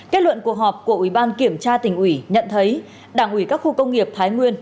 kết luận cuộc họp của ủy ban kiểm tra tỉnh ủy nhận thấy đảng ủy các khu công nghiệp thái nguyên